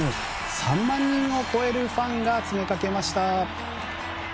３万人を超えるファンが詰めかけました。